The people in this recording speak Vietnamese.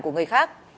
của người khác